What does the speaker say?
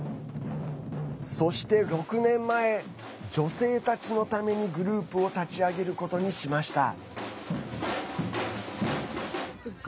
そして６年前女性たちのためにグループを立ち上げることにしました。